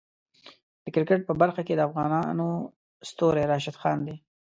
د کرکټ په برخه کې د افغانو ستوری راشد خان دی.